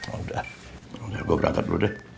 udah gue berangkat dulu deh